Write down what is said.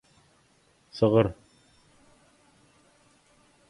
Sygyr